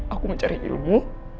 aku mencari ilmu